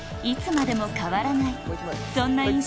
「いつまでも変わらない」